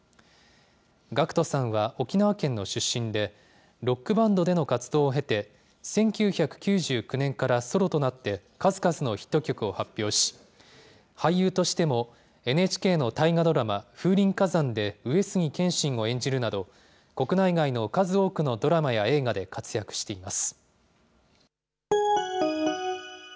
ＧＡＣＫＴさんは沖縄県の出身で、ロックバンドでの活動を経て、１９９９年からソロとなって数々のヒット曲を発表し、俳優としても、ＮＨＫの大河ドラマ、風林火山で上杉謙信を演じるなど、国内外の数多くのドラマや映画で活躍しています。